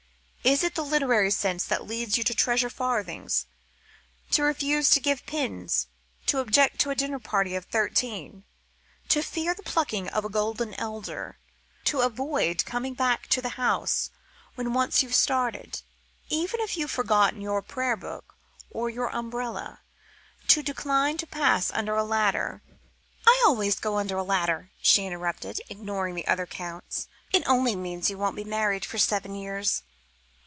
Is it the literary sense that leads you to treasure farthings, to refuse to give pins, to object to a dinner party of thirteen, to fear the plucking of the golden elder, to avoid coming back to the house when once you've started, even if you've forgotten your prayer book or your umbrella, to decline to pass under a ladder " "I always go under a ladder," she interrupted, ignoring the other counts; "it only means you won't be married for seven years."